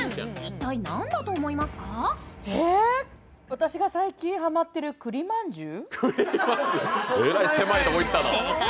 私が最近はまってる栗まんじゅう？